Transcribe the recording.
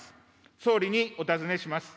総理にお尋ねします。